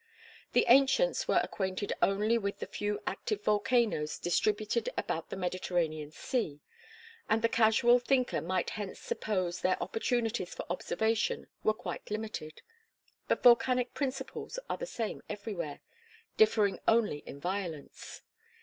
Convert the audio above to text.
The ancients were acquainted only with the few active volcanoes distributed about the Mediterranean Sea, and the casual thinker might hence suppose their opportunities for observation were quite limited. But volcanic principles are the same everywhere, differing only in violence.